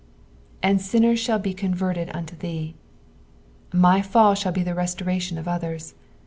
^' And nTiJierg ehnll he oonverttd unto thee," My fall shall be the restoration of others.